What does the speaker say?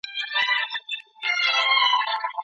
ماینونه څه ډول ټپونه رامنځته کوي؟